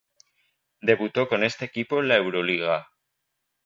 Debutó con este equipo en la euroliga.